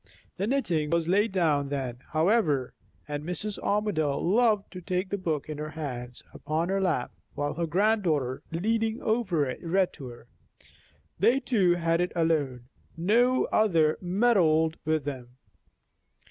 The knitting was laid down then, however; and Mrs. Armadale loved to take the book in her hands, upon her lap, while her granddaughter, leaning over it, read to her. They two had it alone; no other meddled with them.